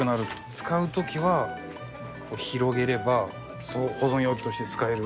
使う時はこう広げれば保存容器として使える。